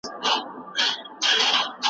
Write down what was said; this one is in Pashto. دا بدلونونه تل په سترګو نه ښکاري.